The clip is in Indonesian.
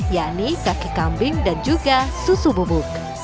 yakni kaki kambing dan juga susu bubuk